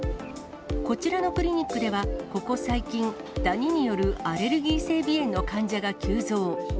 こちらのクリニックでは、ここ最近、ダニによるアレルギー性鼻炎の患者が急増。